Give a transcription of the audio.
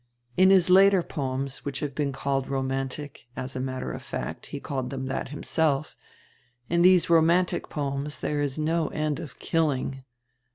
In his later poems, which have been called 'romantic' — as a matter of fact, he called them that himself — in these romantic poems there is no end of killing.